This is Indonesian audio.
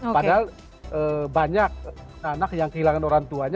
padahal banyak anak yang kehilangan orang tuanya